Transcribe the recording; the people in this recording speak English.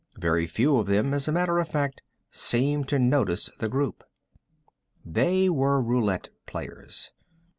Very few of them, as a matter of fact, seemed to notice the group. They were roulette players.